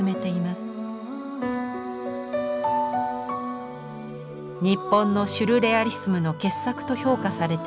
日本のシュルレアリスムの傑作と評価されてきたこの絵。